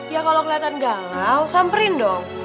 ya kalo keliatan galau samperin dong